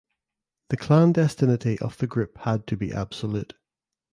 The clandestinity of the group had to be absolute.